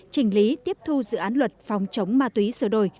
trình lý tiếp thu dự án luật phòng chống ma túy sửa đổi